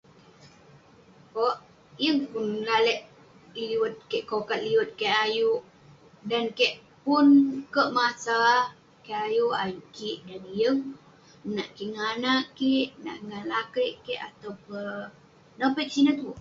Yeng pun lalek liwet kek, kokat liwet kek ayuk. Dan kek pun kek masa kik ayuk, ayuk kik. Dan neh yeng, nak kik ngan anag kik, nak kik ngan lakeik kik, atau peh nopeik sineh tue.